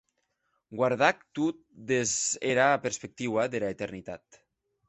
Guardà'c tot dès era perspectiua dera eternitat.